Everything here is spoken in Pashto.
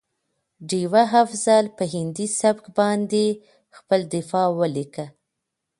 ډيوه افضل په هندي سبک باندې خپله دفاعیه ولیکه